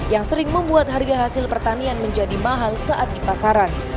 yang sering membuat harga hasil pertanian menjadi mahal saat di pasaran